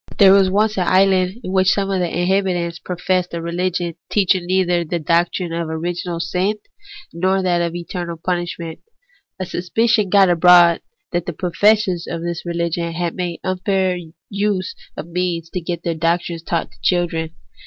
There was once an island in which some of the inhabitants professed a religion teaching neither the doctrine of original sin nor that of eternal punishment. A suspicion got abroad that the professors of this THE ETHICS OF BELIEF. 179 religion had made use of unfair means to get their doctrines taught to children.